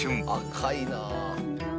赤いな。